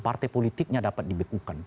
partai politiknya dapat dibekukan